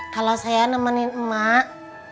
kalau saya nemenin emak